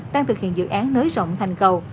đang thực hiện dự án nới rộng thành cầu